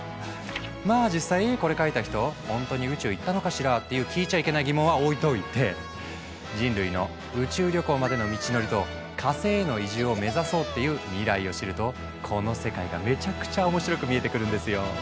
まあ実際これ書いた人ほんとに宇宙行ったのかしら？っていう聞いちゃいけない疑問は置いといて人類の宇宙旅行までの道のりと火星への移住を目指そうっていう未来を知るとこの世界がめちゃくちゃ面白く見えてくるんですよ。